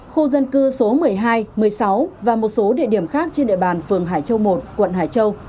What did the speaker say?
khu dân cư số một mươi hai một mươi sáu và một số địa điểm khác trên địa bàn phường hải châu một quận hải châu